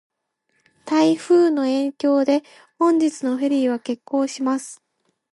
台風の影響で、本日のフェリーは欠航します。